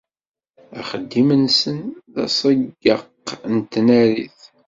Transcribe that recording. Axeddim-nsen d aseyyeq n tnarit.